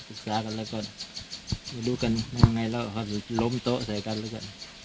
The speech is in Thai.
ปรึกษากันแล้วก็เดี๋ยวรอดได้แล้วล้มโต๊ะใส่กันแล้วก็